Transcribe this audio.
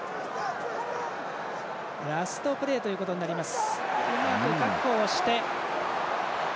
ラストプレーということになります。